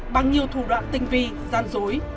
bằng nhiều thủ đoạn tinh vi gian dối